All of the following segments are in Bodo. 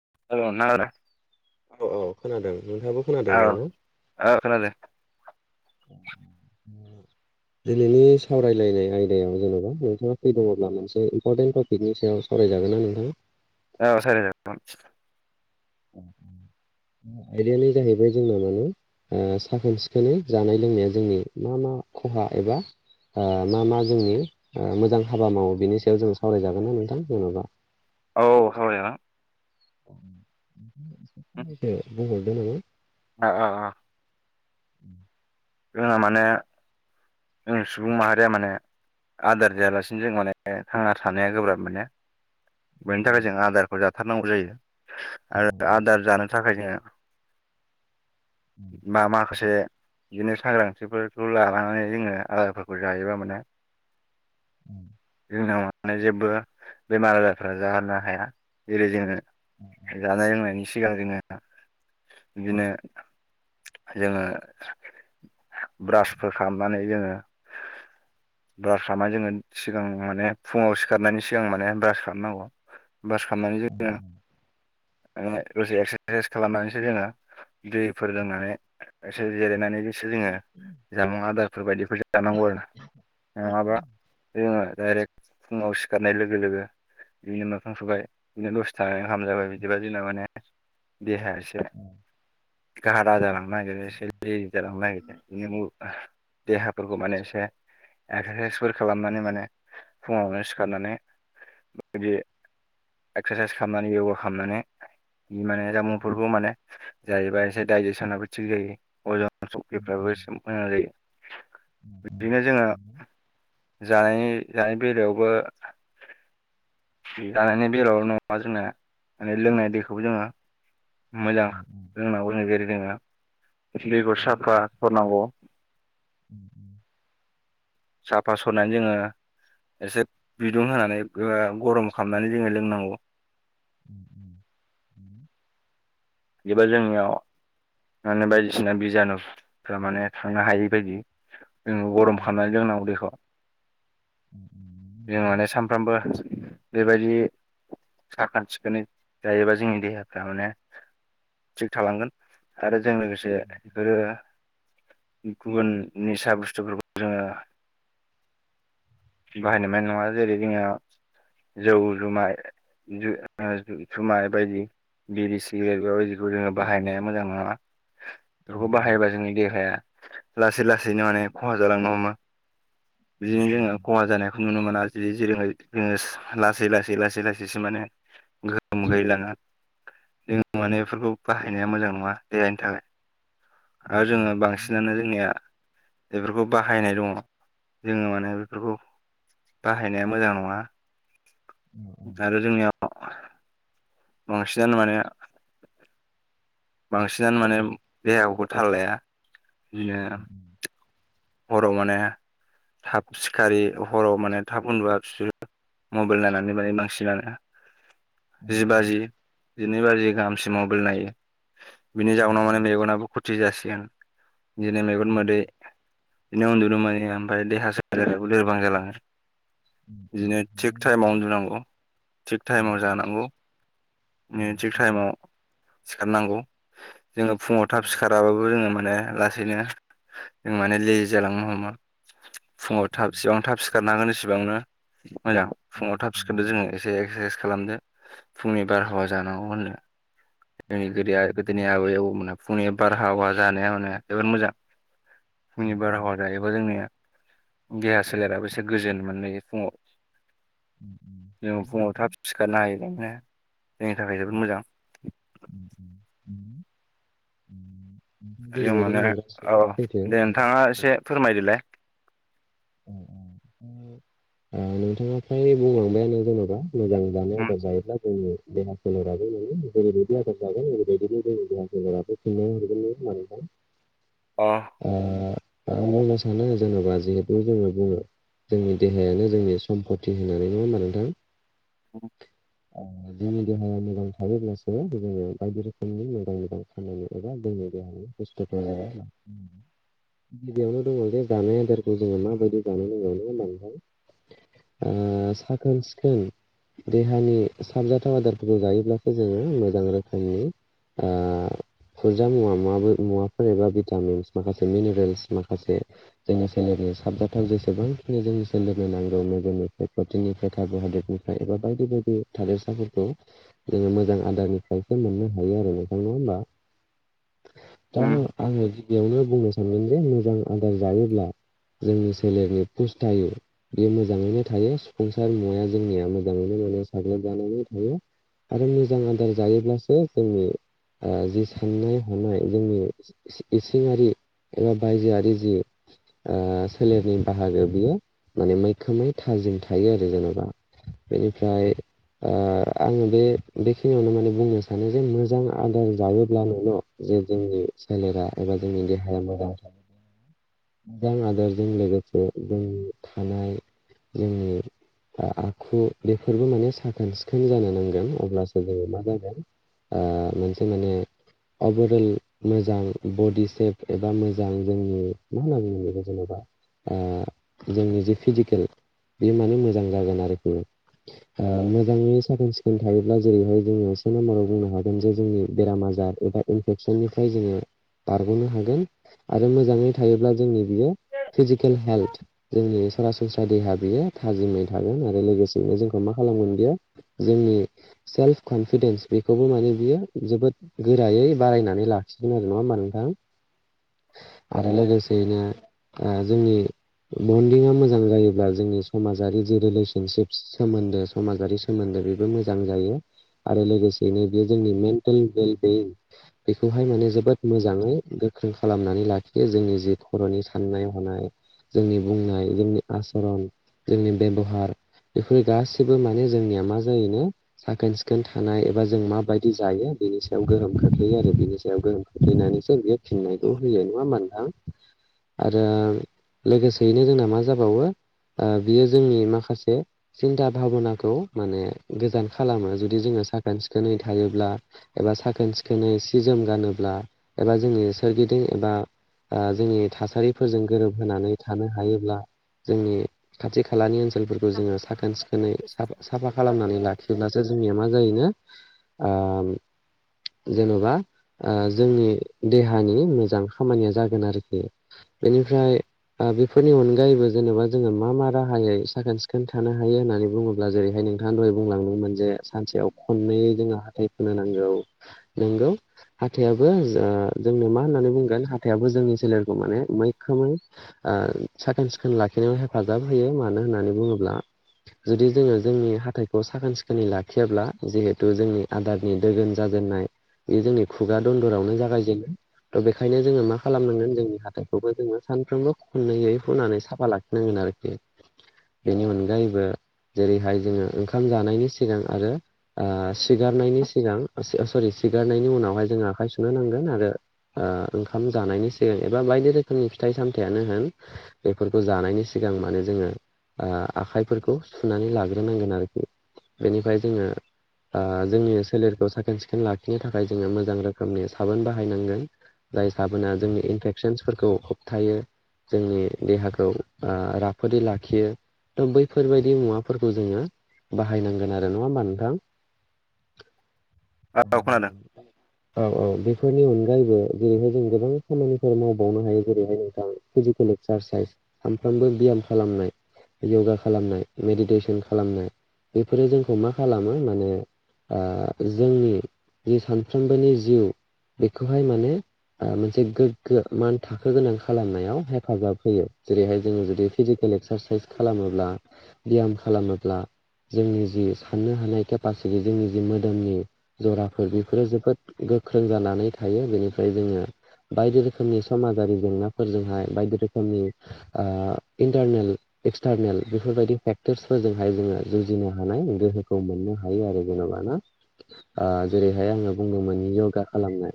[unintelligible] औ औ खोनादों नोंथाङाबो खोनादों औ दा नों? औ खोनादों [inaudible] दिनैनि सावरायलायनाय आयदायाव जेनेबा नोंथाङा फ्रि दोङोब्ला मोनसे इम्पर्टेन्ट टपिकनि सायाव साव जागोना नोंथां? औ साजाय जागोन। [unintelligible] आयदायानो जाहैबाय जोंना माने आ साखोन सिखोनै जानाय लोंनाया जोंनि मा मा खहा एबा आ मा मा जोंनि मोजां हाबा मावो बेनि सायाव जों सावरायजागोन ना नोंथां जेनबा औ हावराय जागोन बुंहरदो नोङो आ आ आ [unintelligible] जोंहा माने जोंनि सुबुं माहारिया माने आदार जायालासिनो जों माने थांना थानाया गोब्राब मानो बेनि थाखाय जों आदारखौ जाथारनांगौ जायो आरो आदार जानो थाखाय जोङो मा माखोसे बिदिनो सांग्रांथिफोरखौ लानानै जोङो आदारफोरखौ जायोबा माने उम जोंनाव माने जेबबो बेमार आजारफ्रा जानो हाया जेरै जोङो जानाय लोंनायनि सिगां जोङो इदिनो जोङो ब्रासफोर खालामनानै जोङो [inaudible] ब्रास हामा जोङो सिगां माने फुङाव सिखारनायनि सिगां माने ब्रास खालामनांगौ ब्रास खामनानै जोङो ओ दसे एक्सस्रासाइस खालामनानैसो जोङो दैफोर लोंनानै एसे जेरायनानै जो सो जोङो जामुं आदारफोर बायदिफोर जानांगौ आरो ना ओ आबा जोङो दायरेख फुङाव सिखारनाय लोगो लोगो इनो मोखां सुबाय इनो दस था हाम जाबाय बिद दिबा जोना माने देहा एसे गाहादा जालांनो नागिरो एसे लेजि जालांनो नागिरो इनो मु आह देहाफोरखौ माने एसे एक्सारसाइसफोर खालामनानै माने फुङावनो सिखारनानै बेबायदि एक्सारसाइस खामनानै यगा खामनानै बि माने जामुंबो माने जाहैबाय ए दाइजेसनाबो थिग जायो अजन सथिफ्राबो एसे मोजां जायो बिदिनो जोङो जानायनि जानाय बेलायावबो जानायनि बेलायावल नङा जोंना माने लोंनाय दैखौ जोङो मोजां रोंनांगौ‌ जाहैबाय आरो जोङो फुलिखौ साफा होनांगौ [inaudible] साफा सुनानै जोङो एसे बिदुं होनानै गरम खालामनानै जोङो लोंनांगौ [inaudible] बिबो जोंनियाव माने बायदिसिना बिजानुफोरा माने थांनो हायै बायदि जोङो गरम खालामनानै लोंनांगौ दैखौ जों माने सानफ्रोमबो बेबायदि साखोन सिखोनै जायोबा जोंनि देहाफ्रा माने थिग थालांगोन आरो जों लोगोसे बेफोरो गुबुन निसा बुस्थुफोरखौ जोङो बाहायनो मोन्नाय नङा जेरै जोङो जौ जुमाय जु जुमाय बायदि बिरि सिगारेट बेयाव जदिखौ जोङो बाहायनाया मोजां नङा बेफोरखौ बाहायोबा जोंनि देहाया लासै लासैनो माने खहा जालांनो हमो। बिदिनो जोङो खहा जानायखौ नुनो मोना जि रोङै जोङो लासै लासै लासै लासैसो मोने गोहोम गोलै लाङो। माने बेफोरखौ बाहायनाया मोजां नङा देहानि थाखाय आरो जोङो बांसिनानो जोंनिया बेफोरखौ बाहायनाय दङ जोङो माने बेफोरखौ बाहायनाया मोजां नङा आरो जोंनियाव बांसिनानो माने बांसिनानो माने देहाखौबो थाल लाया बिदिनो हराव माने थाब सिखारि हराव माने थाब उन्दु बिसोरो मबाइल नायनानै माने बांसिनानो जिबाजि जिनै बाजि गाहामसिम मबाइल नायो। बिनि जाउनाव माने मेगनाबो खथि जासिगोन बिदिनो मेगन मोदै बिदिनो उन्दुनो मानै ओमफ्राय देहा सोलेराबो लोरबां जालाङो। बिदिनो थिग टाइमाव उन्दुनांगौ थिग टाइमाव जानांगौ। नो थिग टाइमाव सिखारनांगौ। जोङो फुङाव थाब सिखाराबाबो जोङो माने लासैनो जों माने लेजि जालांनो हमो। फुङाव थाब इसेबां थाब सिखारनांगोन इसिबांनो मोजां फुङाव थाब सिखारांदो जोङो एसे एक्सारसाइस खालामदो फुंनि बारहावा जानांगौ होनो। जोंनि गोदोनि आबै आबौमोना बुंनाय बारहावा जानाया माने जोबोद मोजां फुंनि बारहावा जायोबो जोंनिया देहा सोलेराबो एसे गोजोन मोयलायो फुङाव जों फुङाव थाब सिखारनो हायोबानो जोंनि थाखाय जोबोद मोजां जों जेरैबायदि माने बुंदों औ गासैबोैथ' दे नोंथाङा औ एसे फोरमायदोलाय नोंथाङा फ्राय बुंलांबायानो जेन'बा मोजां जानाय आदार जायोब्ला जोंनि देहा सोलेराबो जेरैबायदि आदार जागोन ओरैबायदिनो जोंनि देहा सोलेराबो फिननाय हरगोननो मानोना अह आं बुंनो सानो जेन'बा जे बेखौ जोङो बुङो जोंनि देहायानो जोंनि सम्पति होननानै नङा होमबा नोंथां। उम जोंनि देहाया मोजां थायोब्लासो जोङो बायदि रोखोमनि मोजां मोजां खामानि एबा जों गिबियावनो दङ जे जानाय आदार जोङो माबायदि जानाय लोंनाय होनबा नोंथां आ साखोन-सिखोन देहानि साबजाथाव आदारफोरखौ जायोब्लासो जोङो मोजां रोखोमनि आ फुजा मुवा मुवाबो मुवाफोर एबा भिटामिन्स माखासे मिनेरेल्स माखासे जोंनि सोलेरनि साबजाथाव जेसेबांखिनि जोंनि सोलेरनो नांगौ मेदोमनिफ्राय प्रटिननिफ्राय कार्बहाइड्रेटनिफ्राय एबा बायदि बायदि थादोरसाफोरखौ जोङो मोजां आदारनिफ्रायसो मोननो हायो आरो नोंथां नङा होमबा दा आङो गिबियावनो बुंनो सानदों जे मोजां आदार जायोब्ला जोंनि सोलेरनि फुस्थायु बे मोजाङैनो थायो जाफुंसार मुवाया जोंनिया मोजाङै साग्लोब जानानै थायो आरो मोजां आदार जायोब्लासो जोंनि ओ जि साननाय हनाय जोंनि इसिंआरि एबा बायजोआरि जि आ सोलेरनि बाहागो बियो माने मैखोमै थाजिम थायो आरो जेन'बा बेनिफ्राय आ आङो बे बेखिनियावनो माने बुंनो सानो जे मोजां आदार जायोब्लानो न'आव जे जोंनि सोलेरा एबा जोंनि देहाया मोजां मोजां आदारजों लोगोसे जोंनि थानाय जोंनि आखु बेफोरबो माने साखोन सिखोन जानो नांगोन अब्लासो जोङो मा जागोन ओ मोनसे माने अभारअल मोजां बडि सेफ एबा मोजां जोंनि मा होनना बुङो [unintelligible] जेनबा। आ जोंनि जे फिजिकेल बेयो माने मोजां जागोन आरो। [unintelligible] ओ मोजाङै साखोन सिखोन थायोब्ला जेरैहाय जोङो से नाम्बाराव बुंनो हागोन जे जोंनि बेरामा जाहाथे बा इनफेकसननिफ्राय जोङो बारग'नो हागोन आरो मोजाङै थायोब्ला जोंनि बियो फिजिकेल हेल्थ जोंनि सरासनस्रा देहा बियो थाजिमै थागोन आरो लोगोसेनो जोंखौ मा खालामगोन बियो जोंनि सेल्फ कन्फि देन्स बेखौबो माने बियो जोबोद गोरायै बारायनानै लाखिगोन आरो। नङा होमबा नोंथां? आरो लोगोसेनो ओ जोंनि बन्दिंआ मोजां जायोब्ला जोंनि समाजारि जि रिलेसनसिप सोमोन्दो समाजारि सोमोन्दो बेबो मोजां जायो। आरो लोगोसेयैनो बेयो जोंनि मेन्टेल हेल्थ बे बेखौहाय माने जोबोद मोजाङै गोख्रों खालामनानै लाखियो जोंनि जि खर'नि साननाय हनाय जोंनि बुंनाय जोंनि आसरन जोंनि बेबहार बेफोर गासिबो माने जोंनि मा जायोनो साखोन सिखोन थानाय एबा जों माबायदि जायो बेनि सायाव गोहोम खोख्लैयो आरो बेनि सायाव गोहोम खोख्लैनानैसो बियो फिननायखौ होयो। नङा होमबा नोंथां? आरो लोगोसेयैनो जोंना मा जाबावो ओ बियो जोंनि माखासे सिन्था भाबनाखौ माने गोजान खालाम। ो जुदि जोङो साखोन सिखोनै थायोब्ला एबा साखोन सिखोनै सि जोम गानोब्ला एबा जोंनि सोर गिदिं एबा ओ जोंनि थासा रिफोरजों गोरोबहोनानै थानो हायोब्ला जोंनि खाथि खालानि ओनसोल फोरखौ जोङो साखोन सिखोनै साफा खालामनानै लाखिब्लासो जोंनिया मा जायोनो ओम जेन'बा ओ जोंनि देहानि मोजां खामानिया जागोन आरोखि। बेनिफ्राय ओ बेफोरनि अनगायैबो जेनेबा जोंङो मा मा राहायै साखोन सिखोन थानो हायो होननानै बुंङोब्ला जेरैहाय नोंथांङा दहाय बुंलांदोंमोन जे सानसेयाव खननैयै जोंङो हाथाइ हुनो नांगौ। नोंगौ हाथायाबो ओ जोंनो मा होननानै बुंगोन हाथायाबो जोंनि सोलेर माने ‌मैखोमै ओ साखोन सिखोन लाखिनायाव हेफाजाब होयो। मानो होननानै बुंङोब्ला जुदि जोंङो जोंनि हाथायखौ साखोन सिखोनै लाखियाब्ला जिहेथु जोंनि आदारनि दोगोन जाजेननाय बे जोंनि खुगा दन्दरावनो जागायजेनाय। थ' बेखायनो जोंङो मा खालामनांगोन जोंनि हाथाइखौबो जोंङो सानफ्रोमबो खननैयै हुनानै साफा लाखिनांगोन आरोखि। बेनि अनगायैबो जेरैहाय जोंङो ओंखाम जानायनि सिगां आरो ओ सिगारनायनि सिगां ओ ओ स'रि सिगारनायनि उनावहाय जोंङो आखाइ सुनो नांगोन आरो ओ ओंखाम जानायनि से बा बायदि रोखोमनि फिथाइ सामथायानो होन बेफोरखौ जानायनि सिगां माने जोंङो ओ आखाइफोरखौ सुनानै लाग्रोनांगोन आरोखि। बेनिफ्राय जोंङो ओ जोंनि सोलेरखौ साखोन सिखोन लाखिनो थाखाय जोंङो मोजां रोखोमनि साबोन बाहायनांगोन। जाय साबोना जोंनि इनफेक्सन्सफोरखौ होबथायो। जोंनि देहाखौ ओ राफोदै लाखियो। थ' बैफोरबायदि मुवाफोरखौ जोंङो बाहायनांगोन आरो। नङा होमबा नोंथां? [inaudible] औ खोनादों औ औ बेफोरनि अनगायैबो जेरैहाय जों गोबां खामानि फोर मावबावनो हायो जेरैहाय नोंथां फिजिकेल एक्सारसाइस सानफ्रामबो बियाम खालामनाय। य'गा खालामनाय मेडिदेसन खालामनाय बेफोरो जोंखौ मा खालामो माने ओ जोंनि जि सानफ्रोमबोनि जिउ बेखौहाय माने ओ मोनसे गो मान थाखो गोनां खालामनायाव हेफाजाब होयो जेरैहाय जोंङो जुदि फिजिकेल एक्सारसाइस खालामो, अब्ला बियाम खालामोब्ला, जोंनि जि साननो हानाय केपासिटि जोंनि जि मोदोमनि जराफोर बेफोरो जोबोद गोख्रों जानानै थायो, बेनिफ्राय जोंङो बायदि रोखोम रोमनि समाजारि जेंनाफोरजोंहाय बायदि रोखोम ओ इन्टारनेल एक्सटारनेल बेफोरबायदि पेकत्र्पिसफोरजोंहाय जोंङो जुजिनो हानाय गोहोखौ मोननो हायो, आरो जेन'ब ना? ओ जेरैहाय आंङो बुंदोंमोन य'गा खालामनाय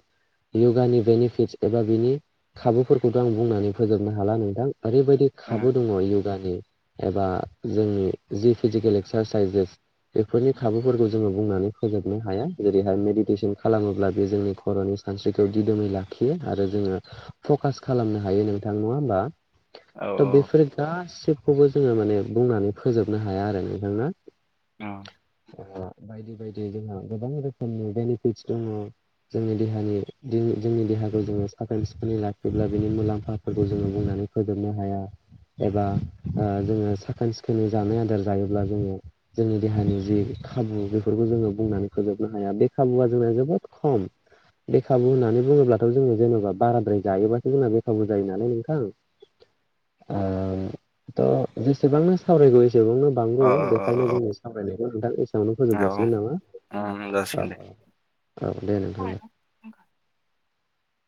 य'गानि बेनिफिटस एबा बिनि खाबुफोरखौथ' आं बुंनानै फोजोबनो हाला नोंथां ओरैबायदि उम खाबु दंङ य'गानि एबा जोंनि जि फिजिकेल एक्सारसाइजेस, बेफोरनि खाबुफोरखौ जोंङो बुंनानै फोजोबनो हाया जेरैहाय मेडिटेसन खालामोब्ला बे जोंनि खर'नि सानस्रिखौ दिदोमै लाखियो, आरो जोंङो फकास खालामनो हायो, नोंथां नंङा होमबा? औ त' बेफोर गासिखौबो जोंङो माने बुंनानै फोजोबनो हाया आरो नोंथां ना? औ ओ बायदि बायदि जोंहा गोबां रोखोमनि बेनिफिटस दंङ, जोंनि देहानि दि जोंनि देहाखौ जोंङो सबसिन फ्रेन्सफोरनि लाखिब्ला बिनि मुलाम्फाफोरखौ जोंङो बुंनानै फोजोबनो हाया, एबा ओ जोंङो साखोन सिखोनै जानाय आदार जायोब्ला जोंङो जोंनि देहानि जि, खाबु बेफोरखौ जोंङो बुंनानै फोजोबनो हाया, बे खाबुआ जोंना जोबोद ख'म, बेे खाबु होननानै बुंङोब्लाथ' जोंङो जेन'बा बाराद्राय जायोबासो जोंना बेखाबु जायो नालाय नोंथां? ओ थ' जेसेबांनो सावरायगौ बेसेबांनो बांगौ बेखायनो औ जोंङोनि सावरायनायखौ नोंथां एसेआवनो औ फोजोबजासिगोन नामा? औ औ जासिगोन दे औ दे नोंथां दे,